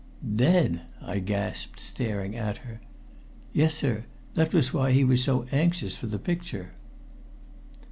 "Dead!" I gasped, staring at her. "Yes, sir. That was why he was so anxious for the picture."